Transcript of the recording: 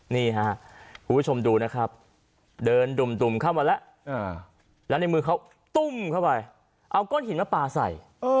นี่ครับคุณผู้ชมดูนะครับเดินดุ่มเข้ามาแล้วแล้วในมือเขาตุ้มเข้าไปเอาก้อนหินมาปลาใส่